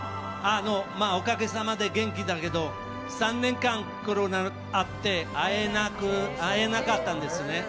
おかげさまで元気だけど３年間、コロナがあって会えなかったんですね。